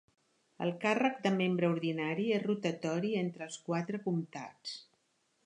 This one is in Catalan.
El càrrec de membre ordinari és rotatori entre els quatre comtats.